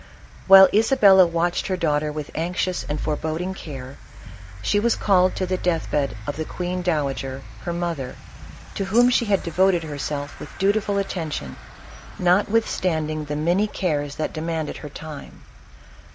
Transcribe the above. While Isabella watched her daughter with anxious and foreboding care, she was called to the death bed of the queen dowager, her mother, to whom she had devoted herself with dutiful attention, notwithstanding the many cares that demanded her time.